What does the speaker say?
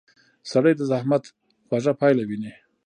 سړی د زحمت خوږه پایله ویني